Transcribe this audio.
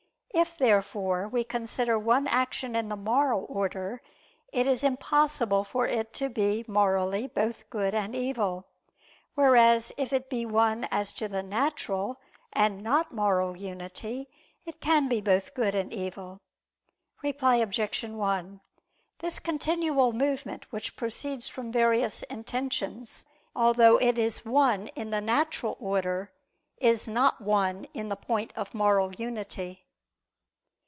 If therefore we consider one action in the moral order, it is impossible for it to be morally both good and evil. Whereas if it be one as to natural and not moral unity, it can be both good and evil. Reply Obj. 1: This continual movement which proceeds from various intentions, although it is one in the natural order, is not one in the point of moral unity.